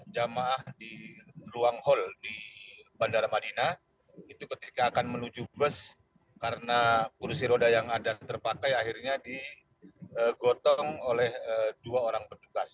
jamaah di ruang hall di bandara madinah itu ketika akan menuju bus karena kursi roda yang ada terpakai akhirnya digotong oleh dua orang petugas